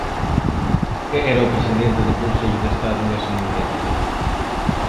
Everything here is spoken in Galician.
¿Quen era o presidente do Consello de Estado nese momento?